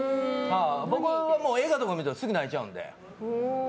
僕は映画とか見たらすぐ泣いちゃうんで。